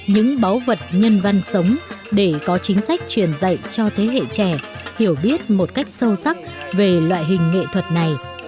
những báu vật nhân văn sống để có chính sách truyền dạy cho thế hệ trẻ hiểu biết một cách sâu sắc về loại hình nghệ thuật này